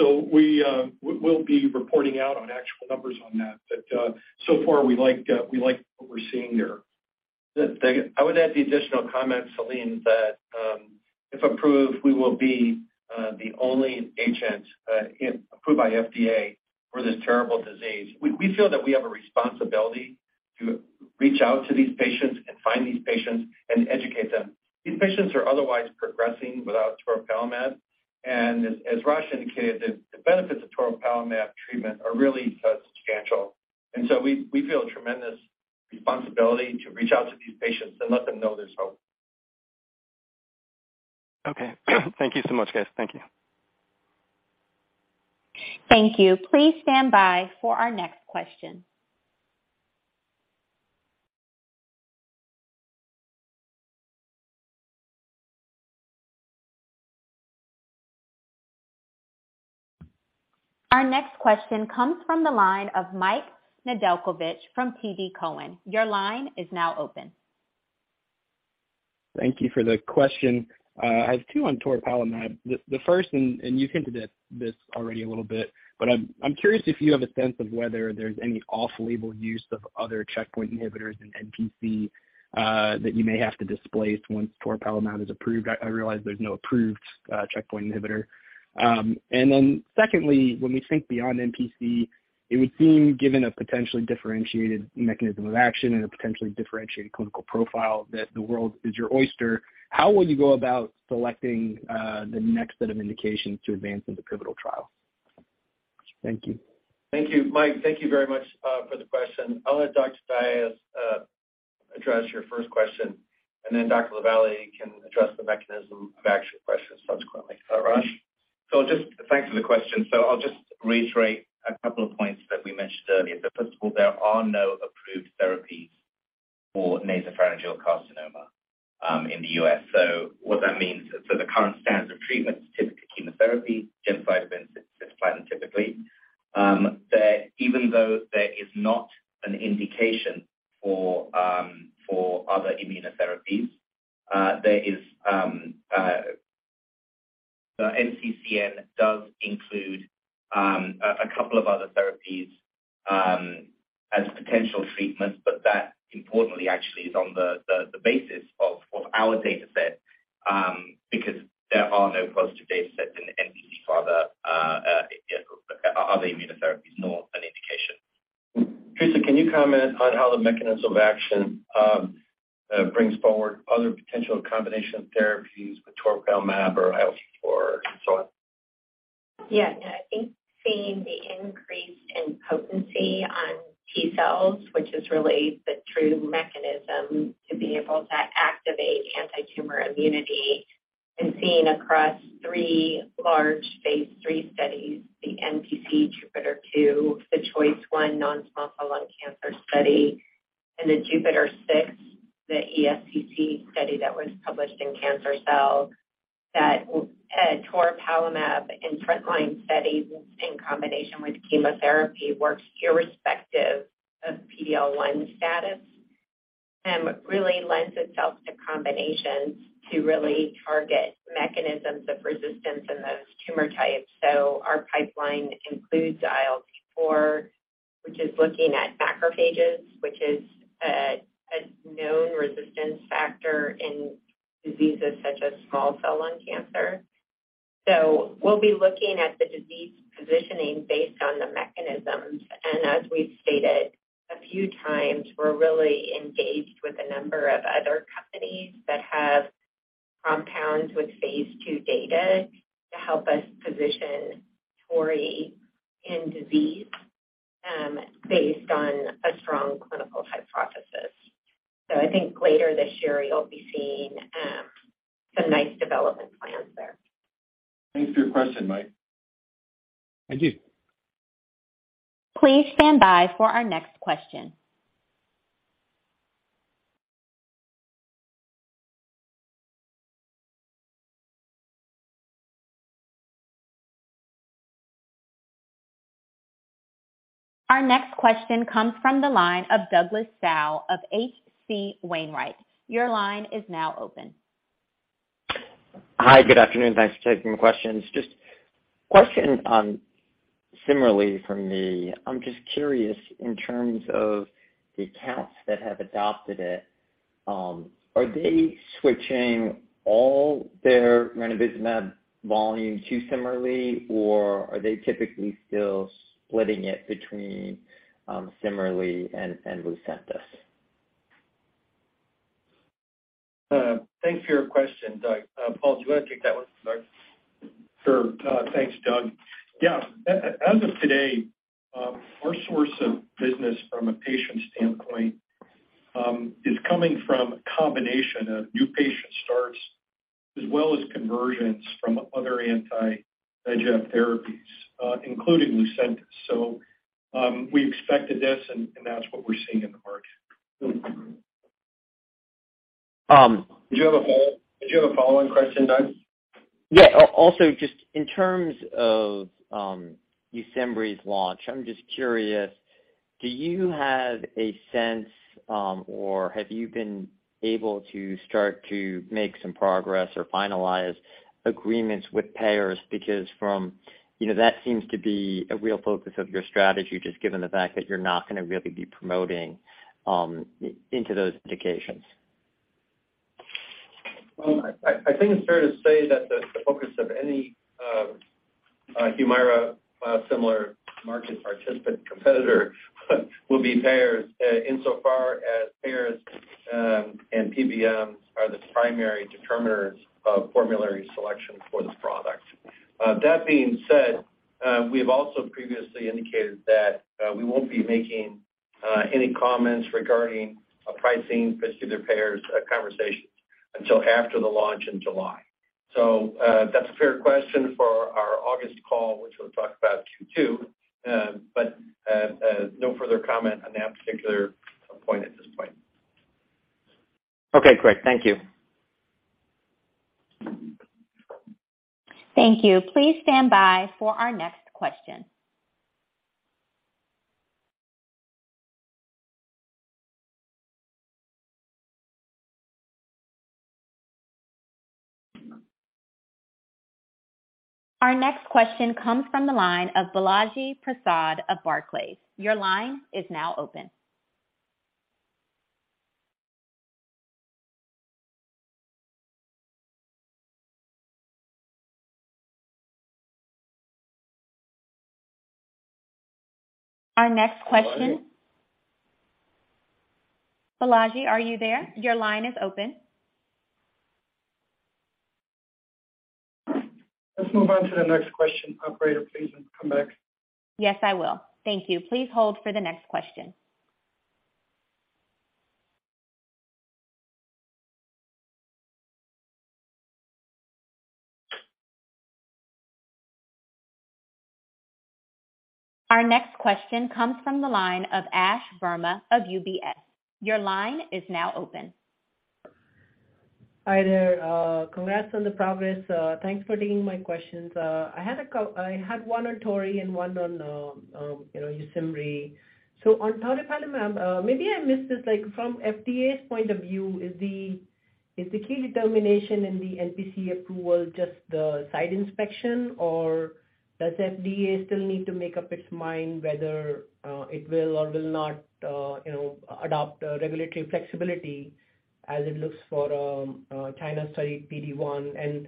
We'll be reporting out on actual numbers on that. So far we like what we're seeing there. I would add the additional comment, Salim, that, if approved, we will be the only agent approved by FDA for this terrible disease. We feel that we have a responsibility to reach out to these patients and find these patients and educate them. These patients are otherwise progressing without toripalimab. As Rosh indicated, the benefits of toripalimab treatment are really substantial. We feel a tremendous responsibility to reach out to these patients and let them know there's hope. Okay. Thank you so much, guys. Thank you. Thank you. Please stand by for our next question. Our next question comes from the line of Michael Nedelcovych from TD Cowen. Your line is now open. Thank you for the question. I have two on toripalimab. The 1st, and you hinted at this already a little bit, but I'm curious if you have a sense of whether there's any off-label use of other checkpoint inhibitors in NPC that you may have to displace once toripalimab is approved. I realize there's no approved checkpoint inhibitor. Secondly, when we think beyond NPC, it would seem, given a potentially differentiated mechanism of action and a potentially differentiated clinical profile, that the world is your oyster. How will you go about selecting the next set of indications to advance into pivotal trial? Thank you. Thank you, Mike. Thank you very much for the question. I'll let Dr. Dias address your 1st question, and then Dr. LaVallee can address the mechanism of action questions subsequently. Rosh? Thanks for the question. I'll just reiterate a couple of points that we mentioned earlier. First of all, there are no approved therapies for nasopharyngeal carcinoma in the U.S. What that means is for the current standard of treatment, typically chemotherapy, gemcitabine, cisplatin, typically. Even though there is not an indication for other immunotherapies, there is the NCCN does include a couple of other therapies as potential treatments, but that importantly actually is on the basis of our dataset, because there are no positive datasets in NPC for the other immunotherapies nor an indication. Teresa, can you comment on how the mechanism of action brings forward other potential combination therapies with toripalimab or ILT4 and so on? Yeah. I think seeing the increase in potency on T-cells, which is really the true mechanism to be able to activate antitumor immunity and seen across three large phase III studies, the NPC JUPITER-02, the CHOICE-01 non-small cell lung cancer study, and the JUPITER-06, the ESCC study that was published in Cancer Cell, that toripalimab in front line studies in combination with chemotherapy works irrespective of PD-L1 status. Really lends itself to combinations to really target mechanisms of resistance in those tumor types. Our pipeline includes ILT4, which is looking at macrophages, which is a known resistance factor in diseases such as small cell lung cancer. We'll be looking at the disease positioning based on the mechanisms. As we've stated a few times, we're really engaged with a number of other companies that have compounds with phase II data to help us position Tory in disease based on a strong clinical hypothesis. I think later this year, you'll be seeing some nice development plans there. Thanks for your question, Mike. Thank you. Please stand by for our next question. Our next question comes from the line of Douglas Tsao of H.C. Wainwright & Co. Your line is now open. Hi. Good afternoon. Thanks for taking the questions. Just question on CIMERLI from me, I'm just curious in terms of the accounts that have adopted it, are they switching all their ranibizumab volume to CIMERLI, or are they typically still splitting it between CIMERLI and Lucentis? Thanks for your question, Doug. Paul, do you want to take that one? Go ahead. Sure. Thanks, Doug. Yeah. As of today, our source of business from a patient standpoint, is coming from a combination of new patient starts as well as conversions from other anti-VEGF therapies, including Lucentis. We expected this and that's what we're seeing in the market. Did you have a follow-on question, Doug? Also just in terms of YUSIMRY's launch, I'm just curious, do you have a sense or have you been able to start to make some progress or finalize agreements with payers? Because from, you know, that seems to be a real focus of your strategy, just given the fact that you're not gonna really be promoting into those indications. Well, I think it's fair to say that the focus of any Humira similar market participant competitor will be payers insofar as payers and PBMs are the primary determiners of formulary selection for this product. That being said, we have also previously indicated that we won't be making any comments regarding pricing for particular payers conversations until after the launch in July. That's a fair question for our August call, which we'll talk about Q2. No further comment on that particular point at this point. Okay, great. Thank you. Thank you. Please stand by for our next question. Our next question comes from the line of Balaji Prasad of Barclays. Your line is now open. Balaji? Balaji, are you there? Your line is open. Let's move on to the next question, operator, please, and come back. Yes, I will. Thank you. Please hold for the next question. Our next question comes from the line of Ash Verma of UBS. Your line is now open. Hi there. Congrats on the progress. Thanks for taking my questions. I had one on Tory and one on, you know, YUSIMRY. On toripalimab, maybe I missed this, like from FDA's point of view, is the key determination in the NPC approval just the site inspection, or does FDA still need to make up its mind whether it will or will not, you know, adopt regulatory flexibility as it looks for China study PD-1?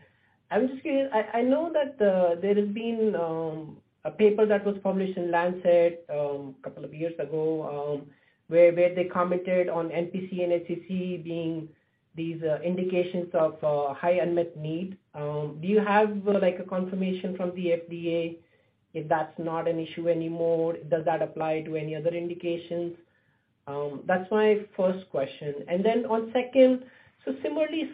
I was just curious. I know that there has been a paper that was published in Lancet a couple of years ago, where they commented on NPC and HCC being these indications of high unmet need. Do you have like, a confirmation from the FDA if that's not an issue anymore? Does that apply to any other indications? That's my 1st question. On 2nd, similarly,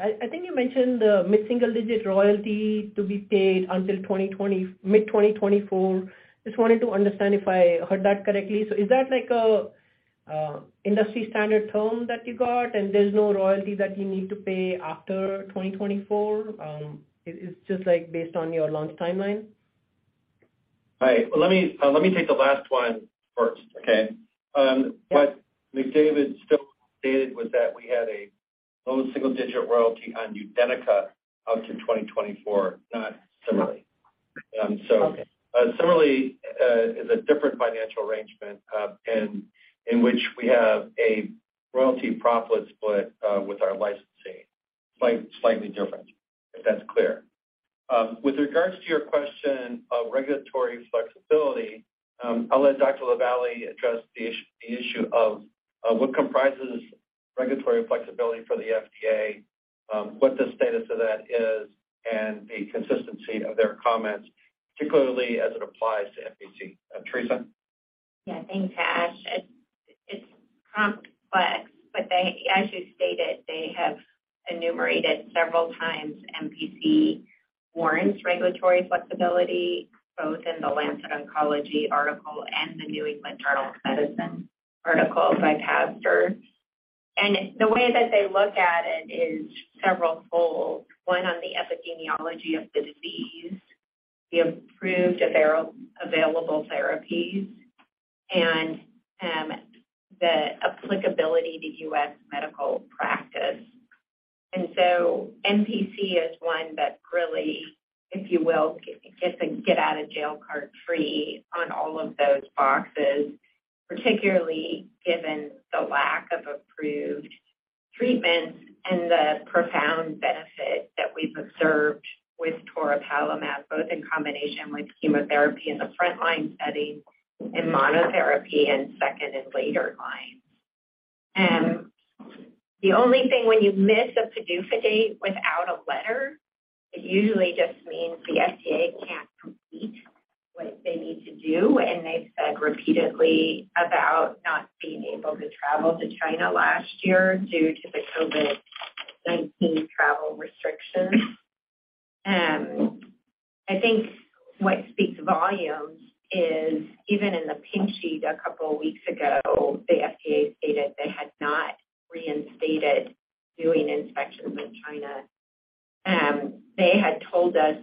I think you mentioned the mid-single-digit royalty to be paid until mid-2024. Just wanted to understand if I heard that correctly. Is that like a industry standard term that you got and there's no royalty that you need to pay after 2024, it is just like based on your launch timeline? Well, let me take the last one 1st. Okay? What McDavid stated was that we had a low single-digit royalty on UDENYCA up to 2024, not CIMERLI. Okay. CIMERLI is a different financial arrangement, in which we have a royalty profit split with our licensee. Slightly different, if that's clear. With regards to your question of regulatory flexibility, I'll let Dr. LaVallee address the issue of what comprises regulatory flexibility for the FDA, what the status of that is, and the consistency of their comments, particularly as it applies to NPC. Theresa? Yeah. Thanks, Ash. It's complex, as you stated, they have enumerated several times NPC warrants regulatory flexibility, both in The Lancet Oncology article and The New England Journal of Medicine article by Pazdur. The way that they look at it is severalfold. One, on the epidemiology of the disease, the approved available therapies, and the applicability to U.S. medical practice. NPC is one that really, if you will, gets a get out of jail card free on all of those boxes, particularly given the lack of approved treatments and the profound benefit that we've observed with toripalimab, both in combination with chemotherapy in the frontline setting, in monotherapy, and 2nd and later line. The only thing when you miss a PDUFA date without a letter, it usually just means the FDA can't complete what they need to do. They've said repeatedly about not being able to travel to China last year due to the COVID-19 travel restrictions. I think what speaks volumes is even in the Pink Sheet a couple weeks ago, the FDA stated they had not reinstated doing inspections in China. They had told us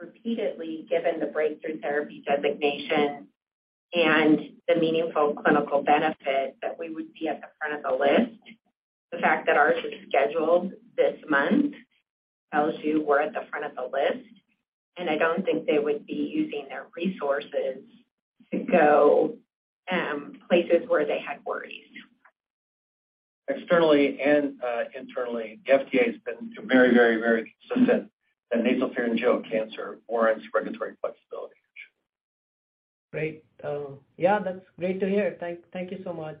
repeatedly, given the Breakthrough Therapy designation and the meaningful clinical benefit that we would be at the front of the list. The fact that ours is scheduled this month tells you we're at the front of the list, and I don't think they would be using their resources to go places where they had worries. Externally and, internally, the FDA has been very consistent that nasopharyngeal cancer warrants regulatory flexibility. Great. Yeah, that's great to hear. Thank you so much.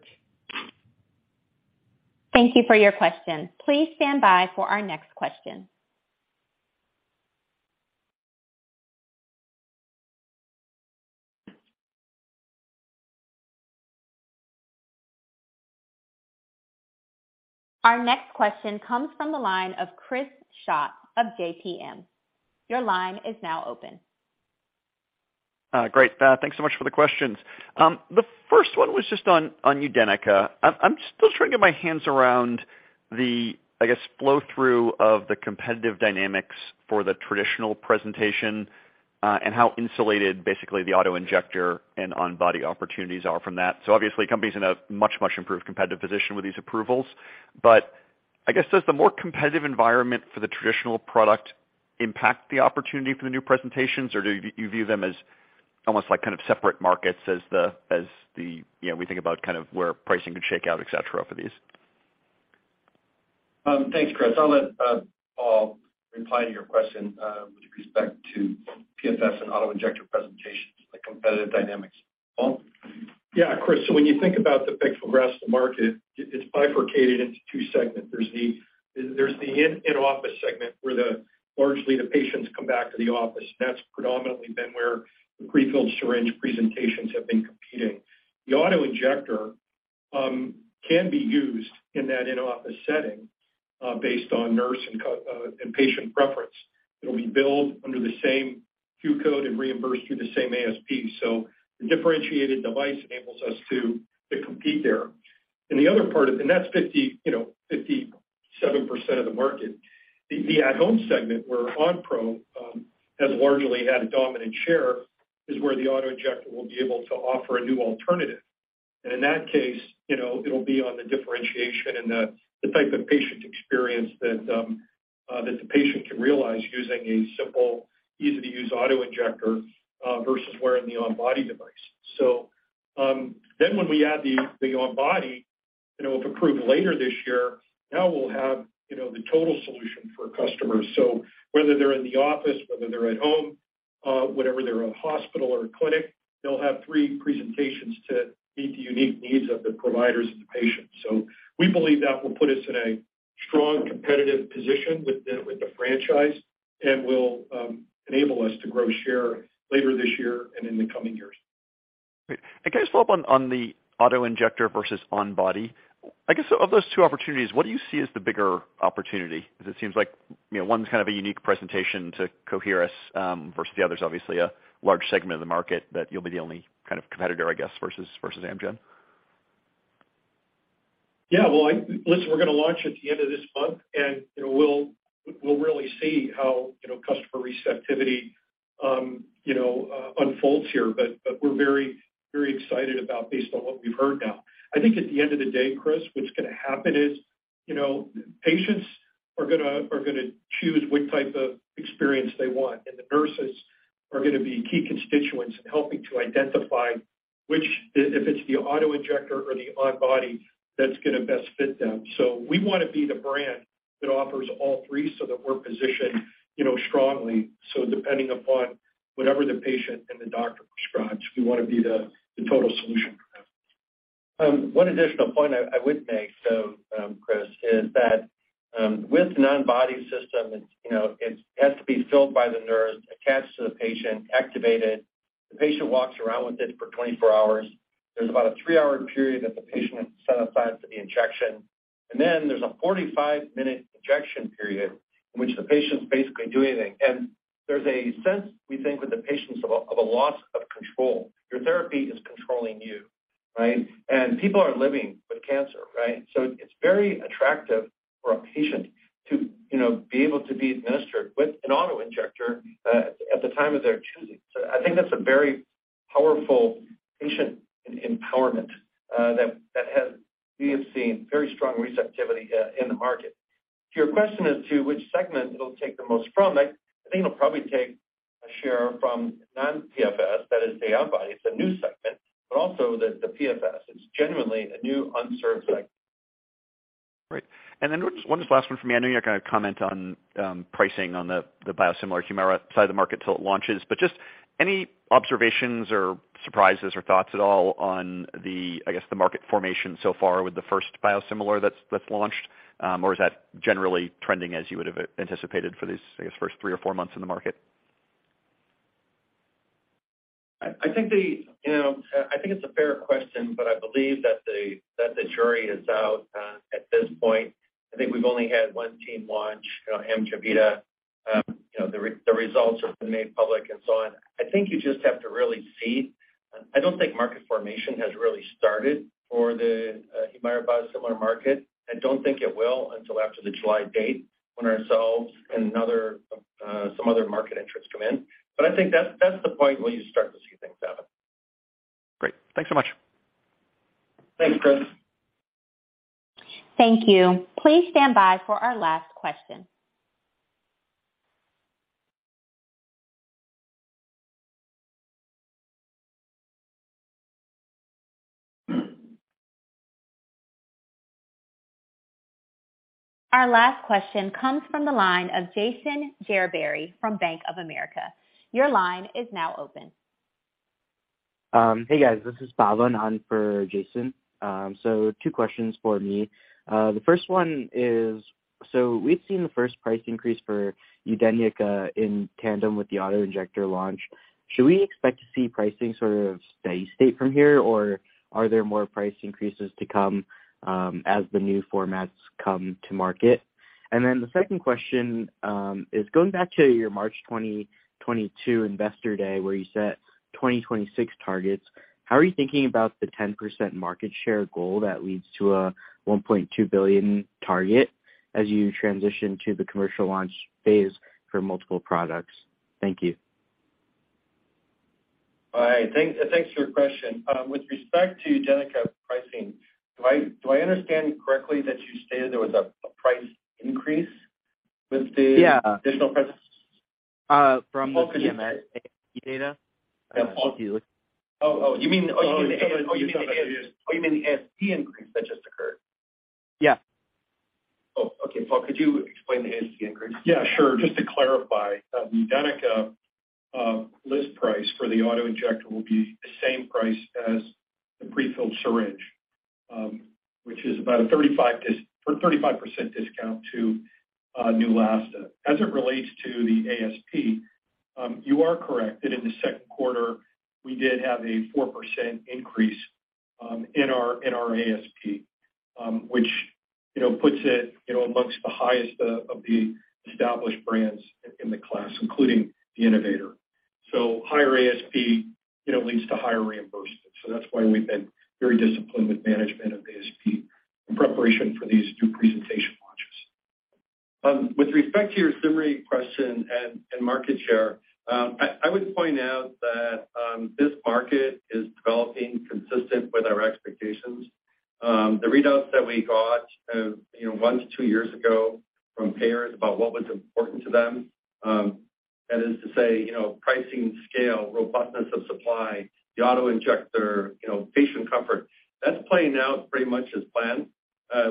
Thank you for your question. Please stand by for our next question. Our next question comes from the line of Chris Schott of J.P. Morgan. Your line is now open. Great. Thanks so much for the questions. The 1st one was just on UDENYCA. I'm still trying to get my hands around the, I guess, flow-through of the competitive dynamics for the traditional presentation and how insulated basically the auto-injector and on-body opportunities are from that. Obviously, company's in a much improved competitive position with these approvals. I guess, does the more competitive environment for the traditional product impact the opportunity for the new presentations? Do you view them as almost like kind of separate markets as the, we think about where pricing could shake out, et cetera, for these? Thanks, Chris. I'll let Paul reply to your question with respect to PFS and auto-injector presentations, the competitive dynamics. Paul. Yeah, Chris. When you think about the pic for the rest of the market, it's bifurcated into two segments. There's the in-office segment where the largely the patients come back to the office, and that's predominantly been where the prefilled syringe presentations have been competing. The auto-injector can be used in that in-office setting based on nurse and patient preference. It'll be billed under the same Q code and reimbursed through the same ASP. The differentiated device enables us to compete there. The other part of... That's, you know, 57% of the market. The at-home segment where Onpro has largely had a dominant share is where the auto-injector will be able to offer a new alternative. In that case, you know, it'll be on the differentiation and the type of patient experience that the patient can realize using a simple, easy-to-use auto-injector versus wearing the on-body device. When we add the on-body, you know, if approved later this year, now we'll have, you know, the total solution for customers. Whether they're in the office, whether they're at home, whether they're in a hospital or a clinic, they'll have three presentations to meet the unique needs of the providers and the patients. We believe that will put us in a strong competitive position with the franchise and will enable us to grow share later this year and in the coming years. Great. Can I just follow up on the auto-injector versus on-body? I guess of those two opportunities, what do you see as the bigger opportunity? Because it seems like, you know, one's kind of a unique presentation to Coherus, versus the other's obviously a large segment of the market that you'll be the only kind of competitor, I guess, versus Amgen. Well, listen, we're going to launch at the end of this month, and, you know, we'll really see how, you know, customer receptivity unfolds here. We're very, very excited about based on what we've heard now. I think at the end of the day, Chris, what's going to happen is, you know, patients are going to choose which type of experience they want, and the nurses are going to be key constituents in helping to identify which if it's the auto-injector or the on-body that's going to best fit them. We want to be the brand that offers all three so that we're positioned, you know, strongly. Depending upon whatever the patient and the doctor prescribes, we want to be the total solution for them. One additional point I would make, though, Chris, is that with the non-body system, it's, you know, it has to be filled by the nurse, attached to the patient, activated. The patient walks around with it for 24 hours. There's about a 3 hr period that the patient is set aside for the injection. Then there's a 45 min injection period in which the patient's basically doing anything. There's a sense, we think, with the patients of a, of a loss of control. Your therapy is controlling you, right? People are living with cancer, right? It's very attractive for a patient to, you know, be able to be administered with an auto-injector at the time of their choosing. I think that's a very powerful patient empowerment that we have seen very strong receptivity in the market. To your question as to which segment it'll take the most from, I think it'll probably take a share from non-PFS, that is the on body. It's a new segment, also the PFS. It's genuinely a new unserved segment. Great. One just last one for me. I know you're not gonna comment on pricing on the biosimilar Humira side of the market till it launches. Just any observations or surprises or thoughts at all on the, I guess, the market formation so far with the 1st biosimilar that's launched? Is that generally trending as you would have anticipated for these, I guess, 1st three or four months in the market? I think the, you know, I think it's a fair question, but I believe that the jury is out at this point. I think we've only had one team launch, you know, AMJEVITA. You know, the results have been made public and so on. I think you just have to really see. I don't think market formation has really started for the Humira biosimilar market. I don't think it will until after the July date when ourselves and other some other market entrants come in. I think that's the point where you start to see things happen. Great. Thanks so much. Thanks, Chris. Thank you. Please stand by for our last question. Our last question comes from the line of Jason Gerberry from Bank of America. Your line is now open. Hey, guys, this is Bhavin Patel on for Jason Gerberry. Two questions for me. The 1st one is, we've seen the 1st price increase for UDENYCA in tandem with the auto-injector launch. Should we expect to see pricing sort of steady-state from here, or are there more price increases to come as the new formats come to market? The 2nd question is going back to your March 2022 investor day, where you set 2026 targets, how are you thinking about the 10% market share goal that leads to a $1.2 billion target as you transition to the commercial launch phase for multiple products? Thank you. All right. Thanks for your question. With respect to UDENYCA pricing, do I understand correctly that you stated there was a price increase with the- Yeah additional presence? From the CMS data. Oh, you mean the ASP increase that just occurred? Yeah. Paul, could you explain the ASP increase? Yeah, sure. Just to clarify, UDENYCA list price for the auto-injector will be the same price as the pre-filled syringe, which is about a 35% discount to Neulasta. As it relates to the ASP, you are correct that in the 2nd quarter, we did have a 4% increase in our ASP, which, you know, puts it, you know, amongst the highest of the established brands in the class, including the innovator. Higher ASP, you know, leads to higher reimbursement. That's why we've been very disciplined with management of ASP in preparation for these new presentation launches. With respect to your summary question and market share, I would point out that this market is developing consistent with our expectations. The readouts that we got, you know, 1-2 years ago from payers about what was important to them, that is to say, you know, pricing, scale, robustness of supply, the auto-injector, you know, patient comfort. That's playing out pretty much as planned.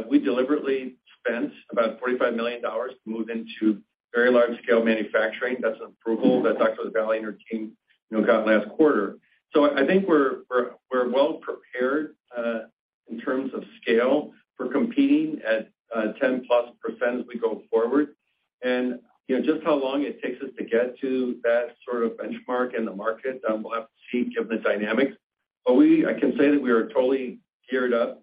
We deliberately spent about $45 million to move into very large-scale manufacturing. That's approval that Dr. LaVallee, you know, got last quarter. I think we're well prepared in terms of scale for competing at 10%+ as we go forward. Just how long it takes us to get to that sort of benchmark in the market, we'll have to see given the dynamics. I can say that we are totally geared up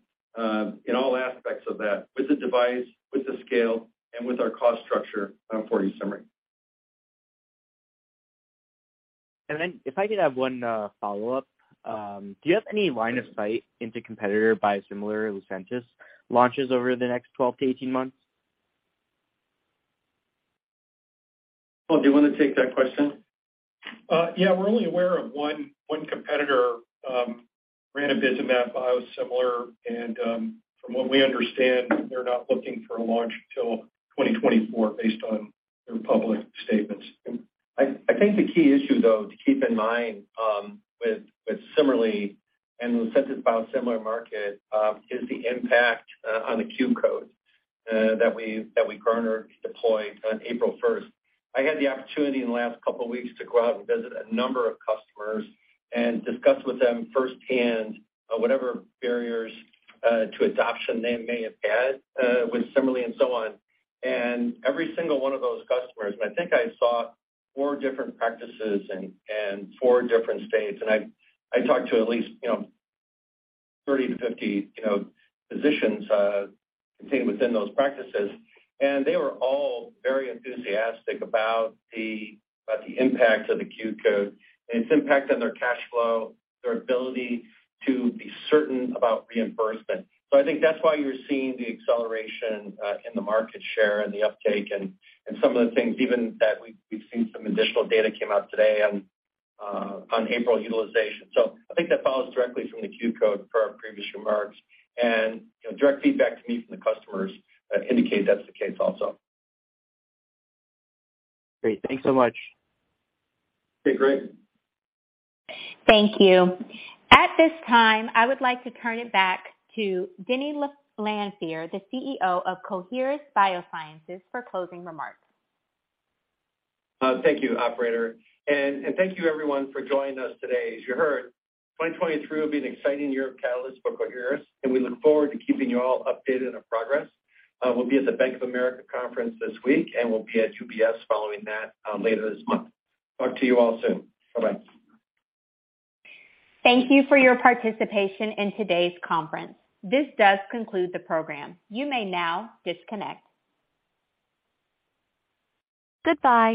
in all aspects of that with the device, with the scale, and with our cost structure for. If I could have one follow-up. Do you have any line of sight into competitor biosimilar Lucentis launches over the next 12 to 18 months? Paul, do you wanna take that question? Yeah, we're only aware of one competitor, ranibizumab biosimilar. From what we understand, they're not looking for a launch till 2024 based on their public statements. I think the key issue, though, to keep in mind, with CIMERLI and Lucentis biosimilar market, is the impact on the Q code that we garnered deployed on April 1st. I had the opportunity in the last couple weeks to go out and visit a number of customers and discuss with them 1sthand, whatever barriers to adoption they may have had with CIMERLI and so on. Every single one of those customers, and I think I saw four different practices and four different states, and I talked to at least, you know, 30-50, you know, physicians contained within those practices. They were all very enthusiastic about the impact of the Q code and its impact on their cash flow, their ability to be certain about reimbursement. I think that's why you're seeing the acceleration in the market share and the uptake and some of the things even that we've seen some additional data came out today on April utilization. I think that follows directly from the Q code per our previous remarks, and, you know, direct feedback to me from the customers indicate that's the case also. Great. Thanks so much. Okay, great. Thank you. At this time, I would like to turn it back to Denny Lanfear, the CEO of Coherus BioSciences, for closing remarks. Thank you, operator. Thank you everyone for joining us today. As you heard, 2023 will be an exciting year of catalysts for Coherus, and we look forward to keeping you all updated on progress. We'll be at the Bank of America conference this week, and we'll be at UBS following that later this month. Talk to you all soon. Bye-bye. Thank you for your participation in today's conference. This does conclude the program. You may now disconnect. Goodbye.